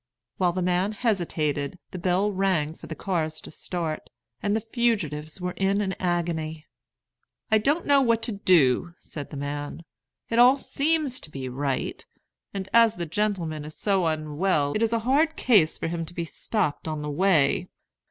While the man hesitated, the bell rang for the cars to start, and the fugitives were in an agony. "I don't know what to do," said the man. "It all seems to be right; and as the gentleman is so unwell, it is a hard case for him to be stopped on the way.